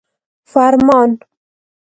فرمان